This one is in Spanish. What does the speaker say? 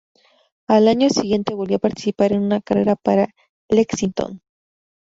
Al año siguiente volvió a participar en una carrera para Lexington.